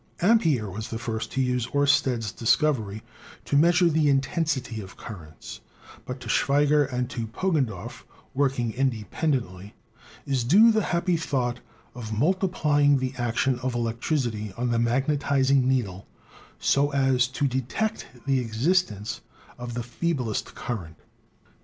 Ampere was the first to use Oersted's discovery to meas ure the intensity of currents; but to Schweigger and to Poggendorf, working independently, is due the happy thought of multiplying the action of electricity on the magnetizing needle so as to detect the existence of the feeblest current.